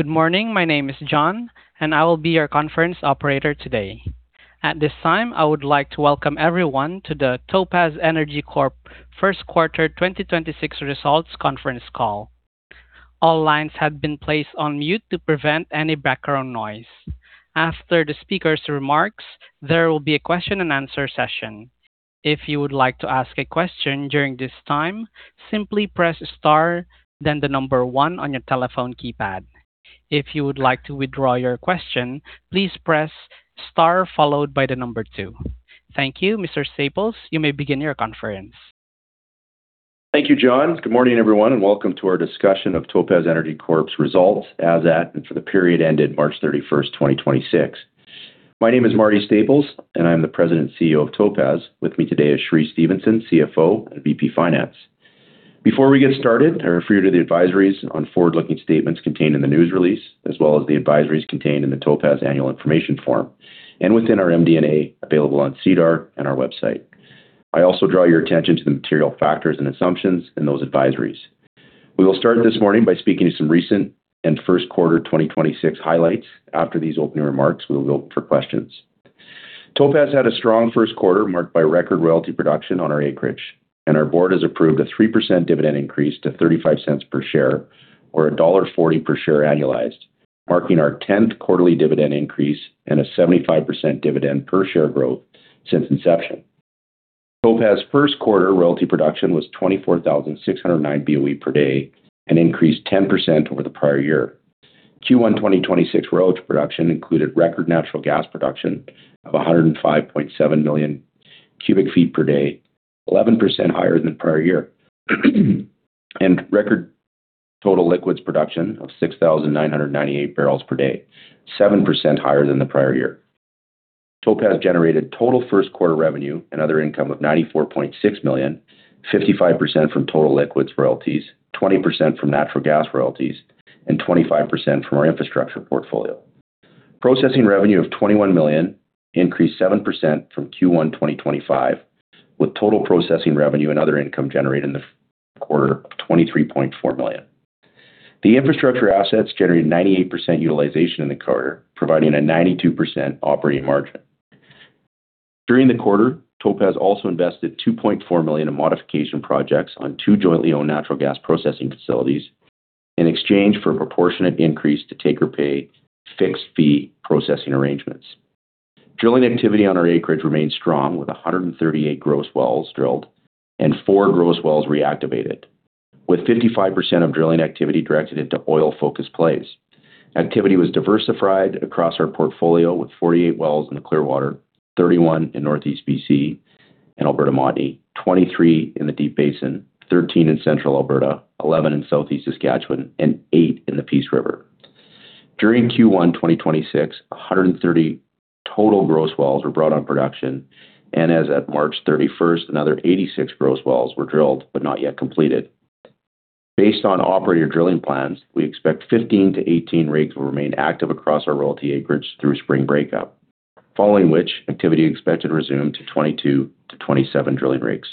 Good morning. My name is John, and I will be your conference operator today. At this time, I would like to welcome everyone to the Topaz Energy Corp First Quarter 2026 Results Conference Call. All lines have been placed on mute to prevent any background noise. After the speakers' remarks, there will be a question and answer session. If you would like to ask a question during this time, simply press star, then one on your telephone keypad. If you would like to withdraw your question, please press star followed by two. Thank you. Mr. Staples, you may begin your conference. Thank you, John. Good morning, everyone, and welcome to our discussion of Topaz Energy Corp's results as at and for the period ended March 31, 2026. My name is Marty Staples, and I am the President and CEO of Topaz. With me today is Cheree Stephenson, CFO and VP Finance. Before we get started, I refer you to the advisories on forward-looking statements contained in the news release, as well as the advisories contained in the Topaz annual information form and within our MD&A available on SEDAR and our website. I also draw your attention to the material factors and assumptions in those advisories. We will start this morning by speaking to some recent and first quarter 2026 highlights. After these opening remarks, we will look for questions. Topaz had a strong first quarter marked by record royalty production on our acreage. Our board has approved a 3% dividend increase to 0.35 per share or dollar 1.40 per share annualized, marking our 10th quarterly dividend increase and a 75% dividend per share growth since inception. Topaz first quarter royalty production was 24,609 BOE per day and increased 10% over the prior year. Q1 2026 royalty production included record natural gas production of 105.7 million cubic feet per day, 11% higher than the prior year, and record total liquids production of 6,998 bbl/d, 7% higher than the prior year. Topaz generated total first quarter revenue and other income of 94.6 million, 55% from total liquids royalties, 20% from natural gas royalties, and 25% from our infrastructure portfolio. Processing revenue of 21 million increased 7% from Q1 2025, with total processing revenue and other income generated in the quarter of 23.4 million. The infrastructure assets generated 98% utilization in the quarter, providing a 92% operating margin. During the quarter, Topaz also invested 2.4 million in modification projects on two jointly owned natural gas processing facilities in exchange for a proportionate increase to take or pay fixed fee processing arrangements. Drilling activity on our acreage remains strong with 138 gross wells drilled and four gross wells reactivated, with 55% of drilling activity directed into oil-focused plays. Activity was diversified across our portfolio with 48 wells in the Clearwater, 31 in Northeast BC and Alberta Montney, 23 in the Deep Basin, 13 in Central Alberta, 11 in Southeast Saskatchewan, and eight in the Peace River. During Q1 2026, 130 total gross wells were brought on production, and as at March 31, another 86 gross wells were drilled but not yet completed. Based on operator drilling plans, we expect 15-18 rigs will remain active across our royalty acreage through spring breakup, following which activity is expected to resume to 22-27 drilling rigs.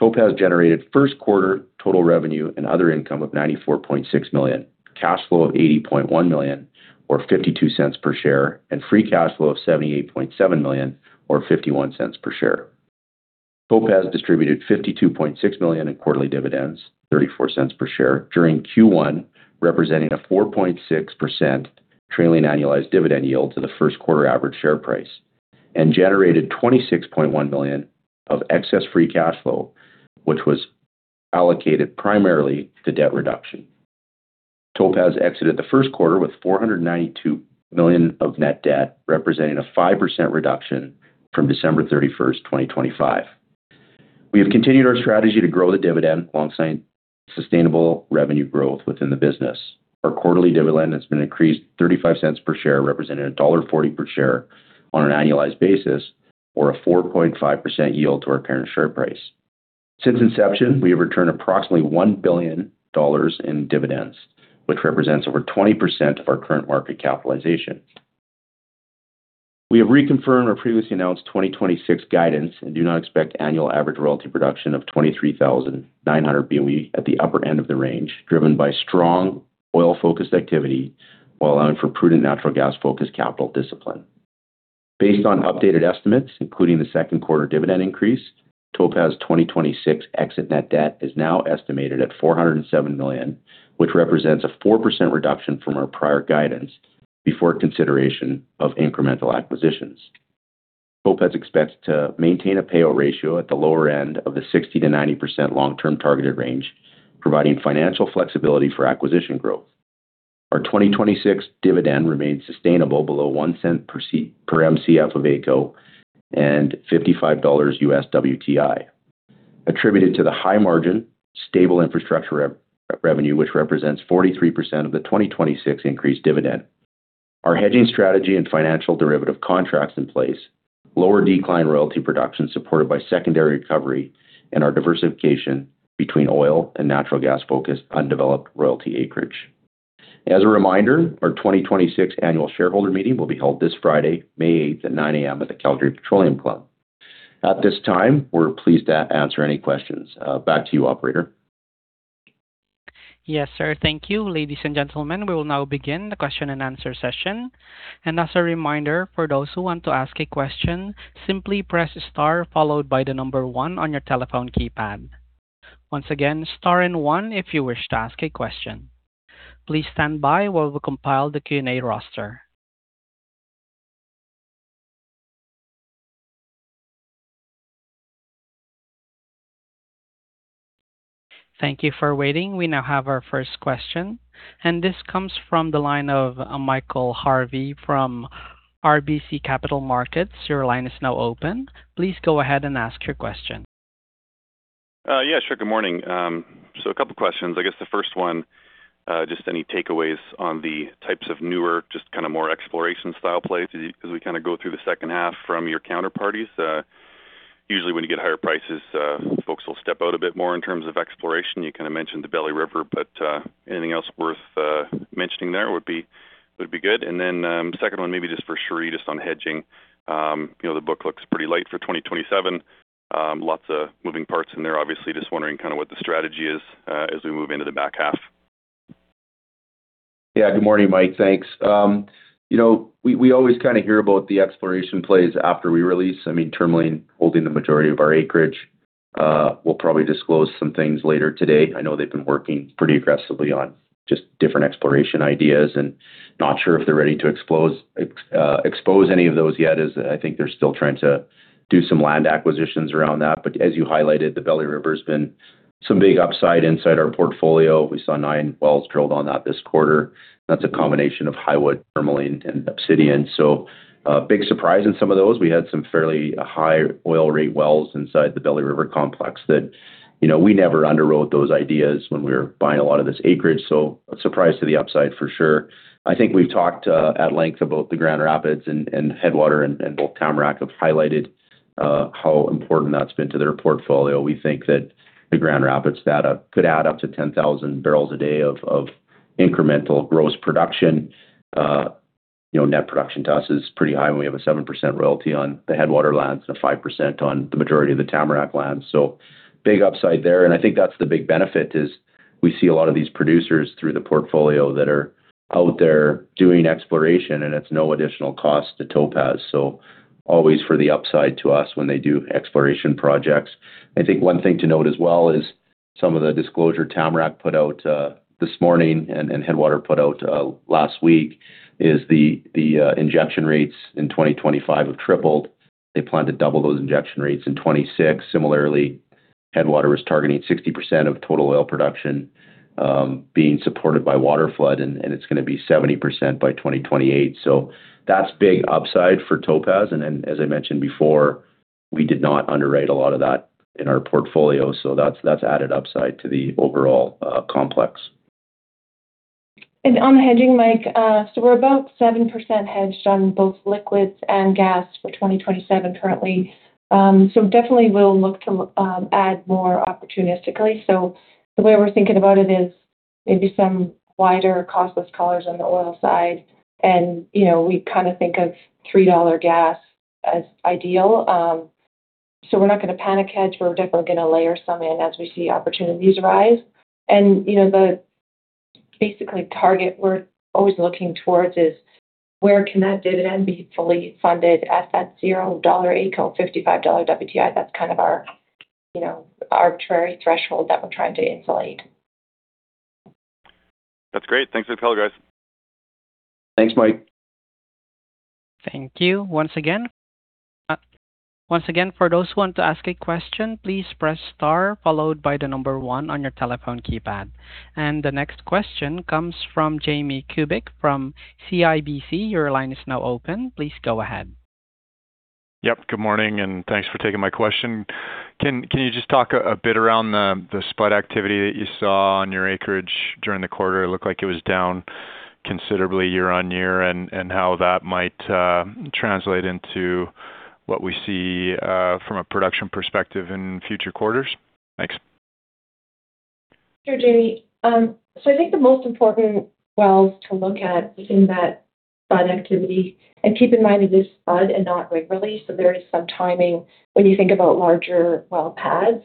Topaz generated first quarter total revenue and other income of 94.6 million, cash flow of 80.1 million or 0.52 per share, and free cash flow of 78.7 million or 0.51 per share. Topaz distributed 52.6 million in quarterly dividends, 0.34 per share during Q1, representing a 4.6% trailing annualized dividend yield to the first quarter average share price and generated 26.1 million of excess free cash flow, which was allocated primarily to debt reduction. Topaz exited the first quarter with 492 million of net debt, representing a 5% reduction from December 31, 2025. We have continued our strategy to grow the dividend alongside sustainable revenue growth within the business. Our quarterly dividend has been increased 0.35 per share, representing dollar 1.40 per share on an annualized basis or a 4.5% yield to our current share price. Since inception, we have returned approximately 1 billion dollars in dividends, which represents over 20% of our current market capitalization. We have reconfirmed our previously announced 2026 guidance and do now expect annual average royalty production of 23,900 BOE at the upper end of the range, driven by strong oil-focused activity while allowing for prudent natural gas-focused capital discipline. Based on updated estimates, including the second quarter dividend increase, Topaz 2026 exit net debt is now estimated at 407 million, which represents a 4% reduction from our prior guidance before consideration of incremental acquisitions. Topaz expects to maintain a payout ratio at the lower end of the 60%-90% long-term targeted range, providing financial flexibility for acquisition growth. Our 2026 dividend remains sustainable below 0.01 per Mcf of AECO and $55 US WTI, attributed to the high margin, stable infrastructure revenue, which represents 43% of the 2026 increased dividend. Our hedging strategy and financial derivative contracts in place, lower decline royalty production supported by secondary recovery and our diversification between oil and natural gas-focused undeveloped royalty acreage. As a reminder, our 2026 Annual Shareholder Meeting will be held this Friday, May 8 at 9:00 A.M. at the Calgary Petroleum Club. At this time, we're pleased to answer any questions. Back to you, operator. Yes, sir. Thank you. Ladies and gentlemen, we will now begin the question and answer session. As a reminder, for those who want to ask a question, simply press star followed by the number one on your telephone keypad. Once again, star and one if you wish to ask a question. Please stand by while we compile the Q&A roster. Thank you for waiting. We now have our first question. This comes from the line of Michael Harvey from RBC Capital Markets. Your line is now open. Please go ahead and ask your question. Yeah, sure. Good morning. A couple questions. I guess the first one, just any takeaways on the types of newer, just kind of more exploration style plays as we kind of go through the second half from your counterparties. Usually when you get higher prices, folks will step out a bit more in terms of exploration. You kind of mentioned the Belly River, but, anything else worth mentioning there would be good. Second one maybe just for Cheree, just on hedging. You know, the book looks pretty light for 2027. Lots of moving parts in there, obviously. Just wondering kind of what the strategy is, as we move into the back half. Yeah. Good morning, Mike. Thanks. You know, we always kind of hear about the exploration plays after we release. I mean, Tourmaline holding the majority of our acreage will probably disclose some things later today. I know they've been working pretty aggressively on just different exploration ideas, and not sure if they're ready to expose any of those yet, as I think they're still trying to do some land acquisitions around that. As you highlighted, the Belly River's been some big upside inside our portfolio. We saw nine wells drilled on that this quarter. That's a combination of Highwood, Tourmaline, and Obsidian. Big surprise in some of those. We had some fairly high oil rate wells inside the Belly River complex that, you know, we never underwrote those ideas when we were buying a lot of this acreage. A surprise to the upside for sure. I think we've talked at length about the Grand Rapids and Headwater and both Tamarack have highlighted how important that's been to their portfolio. We think that the Grand Rapids data could add up to 10,000 bbl/d of incremental gross production. You know, net production to us is pretty high, and we have a 7% royalty on the Headwater lands and a 5% on the majority of the Tamarack lands. Big upside there, and I think that's the big benefit is we see a lot of these producers through the portfolio that are out there doing exploration, and it's no additional cost to Topaz. Always for the upside to us when they do exploration projects. I think one thing to note as well is some of the disclosure Tamarack put out this morning and Headwater put out last week is the injection rates in 2025 have tripled. They plan to double those injection rates in 2026. Similarly, Headwater is targeting 60% of total oil production being supported by waterflood, and it's gonna be 70% by 2028. That's big upside for Topaz. As I mentioned before, we did not underwrite a lot of that in our portfolio. That's added upside to the overall complex. On the hedging, Mike, we're about 7% hedged on both liquids and gas for 2027 currently. Definitely we'll look to add more opportunistically. The way we're thinking about it is maybe some wider costless collars on the oil side. You know, we kind of think of 3 dollar gas as ideal. We're not gonna panic hedge. We're definitely gonna layer some in as we see opportunities arise. You know, the basic target we're always looking towards is where can that dividend be fully funded at that 0 dollar AECO or $55 WTI? That's kind of our you know arbitrary threshold that we're trying to insulate. That's great. Thanks for the color, guys. Thanks, Mike. Thank you. Once again, for those who want to ask a question, please press star followed by one on your telephone keypad. The next question comes from Jamie Kubik from CIBC. Your line is now open. Please go ahead. Yep. Good morning, and thanks for taking my question. Can you just talk a bit around the spud activity that you saw on your acreage during the quarter? It looked like it was down considerably year-on-year and how that might translate into what we see from a production perspective in future quarters. Thanks. Sure, Jamie. So I think the most important wells to look at within that spud activity, and keep in mind, it is spud and not rig release, so there is some timing when you think about larger well pads.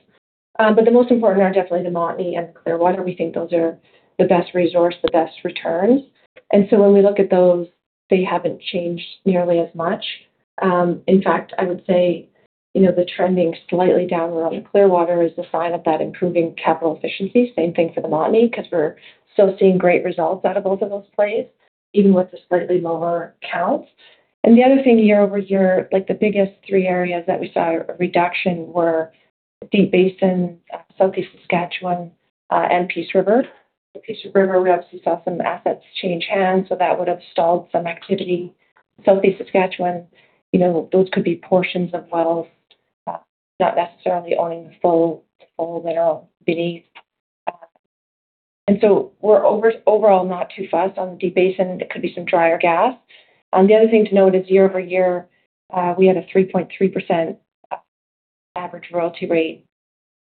The most important are definitely the Montney and Clearwater. We think those are the best resource, the best returns. When we look at those, they haven't changed nearly as much. In fact, I would say, you know, the trending slightly down around Clearwater is a sign of that improving capital efficiency. Same thing for the Montney because we're still seeing great results out of both of those plays, even with the slightly lower counts. The other thing year-over-year, like the biggest three areas that we saw a reduction were Deep Basin, Southeast Saskatchewan, and Peace River. The Peace River, we obviously saw some assets change hands, so that would have stalled some activity. Southeast Saskatchewan, you know, those could be portions of wells, not necessarily owning the full mineral beneath. We're overall not too fussed. On the Deep Basin, it could be some drier gas. The other thing to note is year-over-year, we had a 3.3% average royalty rate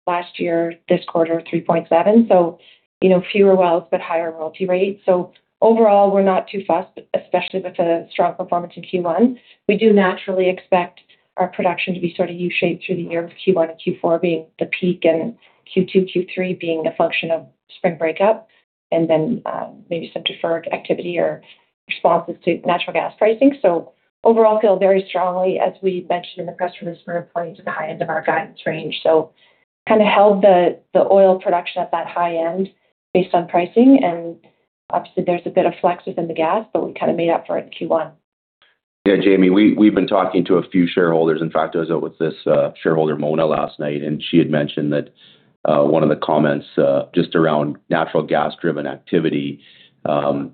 last year; this quarter, 3.7%. You know, fewer wells, but higher royalty rates. Overall, we're not too fussed, especially with the strong performance in Q1. We do naturally expect our production to be sort of U-shaped through the year with Q1 and Q4 being the peak, and Q2, Q3 being a function of spring breakup and then, maybe some deferred activity or responses to natural gas pricing. Overall, feel very strongly, as we mentioned in the press release, we're pointing to the high end of our guidance range. Kinda held the oil production at that high end based on pricing. Obviously, there's a bit of flex within the gas, but we kinda made up for it in Q1. Yeah, Jamie, we've been talking to a few shareholders. In fact, I was out with this shareholder, Mona, last night, and she had mentioned that one of the comments just around natural gas-driven activity. If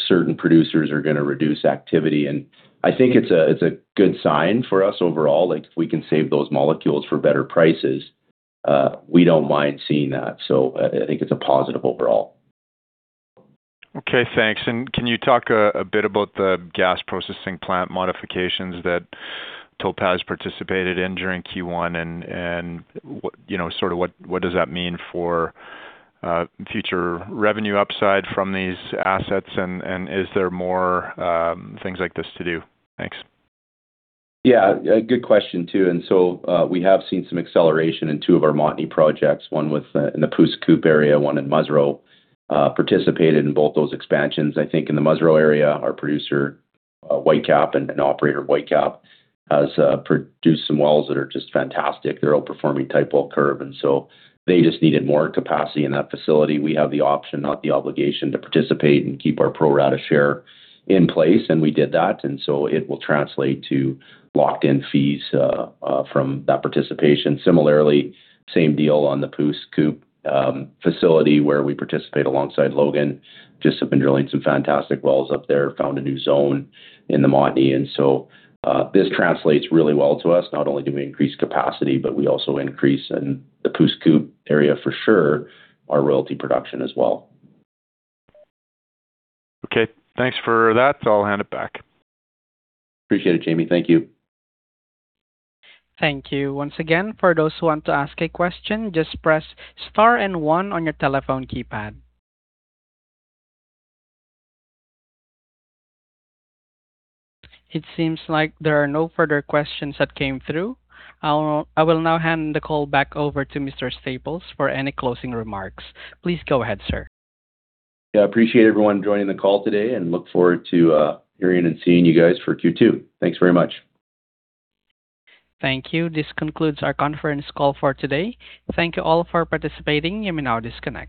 certain producers are gonna reduce activity. I think it's a good sign for us overall, like, if we can save those molecules for better prices, we don't mind seeing that. I think it's a positive overall. Okay, thanks. Can you talk a bit about the gas processing plant modifications that Topaz participated in during Q1 and what you know sort of what does that mean for future revenue upside from these assets? Is there more things like this to do? Thanks. Yeah. A good question, too. We have seen some acceleration in two of our Montney projects, one with, in the Pouce Coupe area, one in Musreau. Participated in both those expansions. I think in the Musreau area, our producer, Whitecap, and operator Whitecap has produced some wells that are just fantastic. They're outperforming type well curve. They just needed more capacity in that facility. We have the option, not the obligation, to participate and keep our pro rata share in place, and we did that. It will translate to locked-in fees from that participation. Similarly, same deal on the Pouce Coupe facility where we participate alongside Logan. Just have been drilling some fantastic wells up there, found a new zone in the Montney. This translates really well to us. Not only do we increase capacity, but we also increase in the Pouce Coupe area for sure our royalty production as well. Okay, thanks for that. I'll hand it back. Appreciate it, Jamie. Thank you. Thank you. Once again, for those who want to ask a question, just press star and one on your telephone keypad. It seems like there are no further questions that came through. I will now hand the call back over to Mr. Staples for any closing remarks. Please go ahead, sir. Yeah, appreciate everyone joining the call today and look forward to hearing and seeing you guys for Q2. Thanks very much. Thank you. This concludes our conference call for today. Thank you all for participating. You may now disconnect.